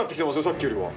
さっきよりは。